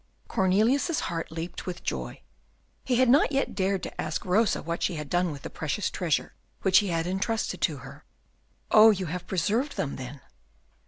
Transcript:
Cornelius's heart leaped with joy. He had not yet dared to ask Rosa what she had done with the precious treasure which he had intrusted to her. "Oh, you have preserved them, then?"